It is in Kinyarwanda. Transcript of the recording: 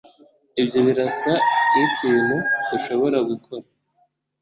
Ibyo birasa nkikintu dushobora gukora?